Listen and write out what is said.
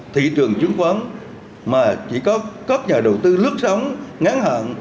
thị trường chứng khoán mà chỉ có các nhà đầu tư lướt sóng ngắn hạn